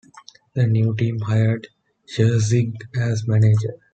The new team hired Sharsig as manager.